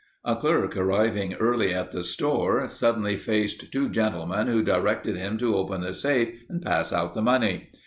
A clerk arriving early at the store, suddenly faced two gentlemen who directed him to open the safe and pass out the money.